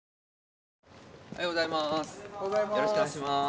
おはようございます。